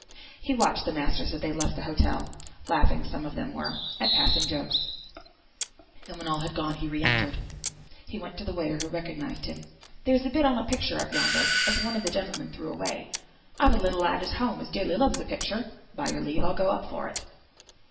He watched the masters as they left the hotel (laughing, some of them were, at passing jokes), and when all had gone, he re entered. He went to the waiter, who recognised him. "There's a bit on a picture up yonder, as one o' the gentlemen threw away; I've a little lad at home as dearly loves a picture; by your leave I'll go up for it."